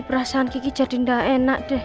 perasaan kiki jadi nggak enak deh